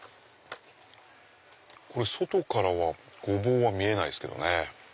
外からはゴボウは見えないですけどね。